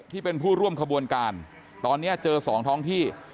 ที่เป็นผู้ร่วมขบวนการตอนนี้เจอ๒ท้องที่